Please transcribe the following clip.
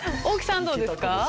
大木さんどうですか？